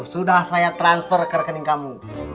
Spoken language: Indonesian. sudah saya transfer ke rekening kamu